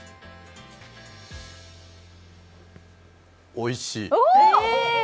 おいしい。